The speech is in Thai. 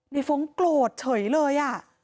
ฟ้องโกรธเฉยเลย